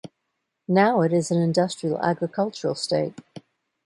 Now it is an industrial agricultural state.